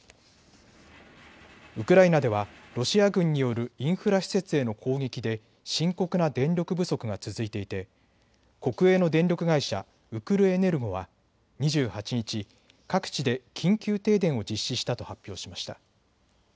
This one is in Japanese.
ウクライナではロシア軍によるインフラ施設への攻撃で深刻な電力不足が続いていて国営の電力会社、ウクルエネルゴは２８日、各地で緊急停電を実施したと発表しました。